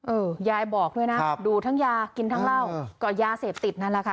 ยายบอกด้วยนะดูทั้งยากินทั้งเหล้าก็ยาเสพติดนั่นแหละค่ะ